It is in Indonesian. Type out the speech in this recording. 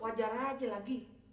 wajar aja lagi